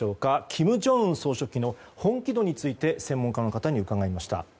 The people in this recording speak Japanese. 金正恩総書記の本気度について専門家の方に伺いました。